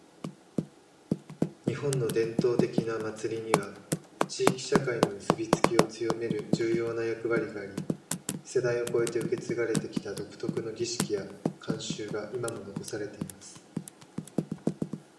•「日本の伝統的な祭りには、地域社会の結びつきを強める重要な役割があり、世代を超えて受け継がれてきた独特の儀式や慣習が今も残されています。」